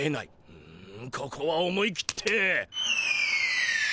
ううむここは思い切って。